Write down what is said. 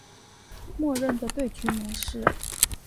默认的对局模式。